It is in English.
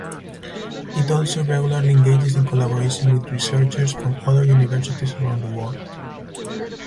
It also regularly engages in collaboration with researchers from other universities around the world.